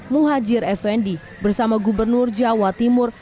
muhajir effendi bersama gubernur jawa timur